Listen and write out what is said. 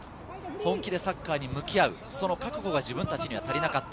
本気でサッカーに向き合う、その覚悟が自分たちには足りなかった。